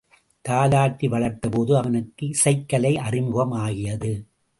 தாலாட்டி வளர்த்தபோது அவனுக்கு இசைக் கலை அறிமுகம் ஆகியது.